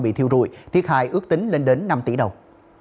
bị thiêu rụi thiệt hại ước tính lên đến năm tỷ đồng